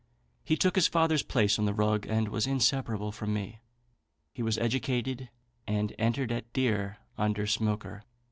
He took his father's place on the rug, and was inseparable from me. He was educated and entered at deer under Smoaker.